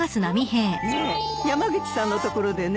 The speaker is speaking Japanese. ねえ山口さんのところでね。